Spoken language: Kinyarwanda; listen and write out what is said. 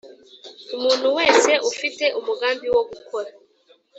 Umuntu wese ufite umugambi wo gukora